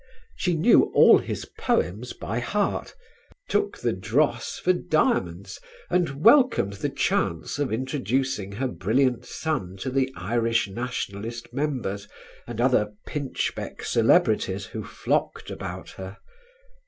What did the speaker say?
She knew all his poems by heart, took the strass for diamonds and welcomed the chance of introducing her brilliant son to the Irish Nationalist Members and other pinchbeck celebrities who flocked about her.